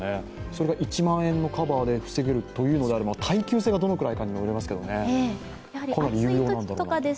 それが１万円のカバーで防げるというのであれば耐久性がどのくらいかにもよりますが、かなり有用なんだろなと。